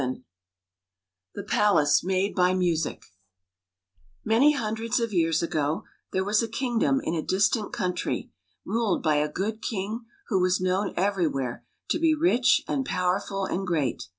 7 6 The Palace Made by Music M ANY hundreds of years ago there was a kingdom in a distant country, ruled by a good king who was known everywhere to be rich and powerful and great.